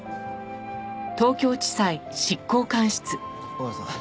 小原さん